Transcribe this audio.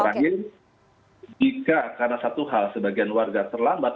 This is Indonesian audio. terakhir jika karena satu hal sebagian warga terlambat